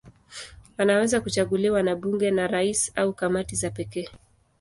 Anaweza kuchaguliwa na bunge, na rais au kamati za pekee.